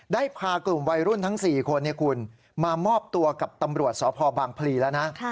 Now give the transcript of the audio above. ได้พากลุ่มวัยรุ่นทั้ง๔คนมามอบตัวกับตำรวจสพบางพลีแล้วนะ